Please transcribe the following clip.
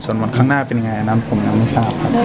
ส่วนข้างหน้าเป็นยังไงน้ำผมยังไม่ทราบครับ